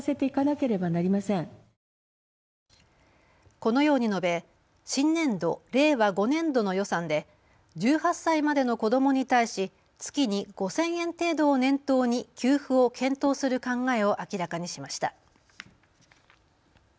このように述べ新年度、令和５年度の予算で１８歳までの子どもに対し月に５０００円程度を念頭に給付を検討する考えを明らかにしました。